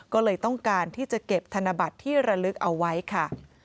ก็เลยต้องการที่จะเก็บธนบัตรที่ระลึกเอาไว้ค่ะ